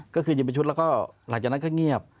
ก็คือยิงเป็นชุดแล้วก็หลังจากนั้นก็เงียบ